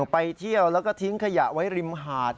ไปเที่ยวแล้วก็ทิ้งขยะไว้ริมหาด